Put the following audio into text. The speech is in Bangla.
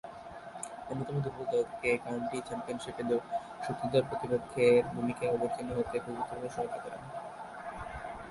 অন্যতম দূর্বল দল থেকে কাউন্টি চ্যাম্পিয়নশীপে শক্তিধর প্রতিপক্ষের ভূমিকায় অবতীর্ণ হতে প্রভূতঃ সহায়তা করেন।